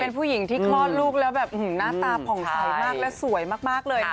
เป็นผู้หญิงที่คลอดลูกแล้วแบบหน้าตาผ่องใสมากและสวยมากเลย